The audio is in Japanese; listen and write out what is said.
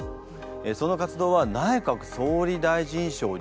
その活動は内閣総理大臣賞を受賞。